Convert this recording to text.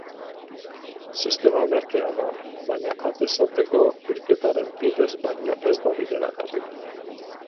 Sistema merkea da, baina atez ateko bilketaren bidez baino ez da bideragarria.